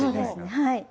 はい。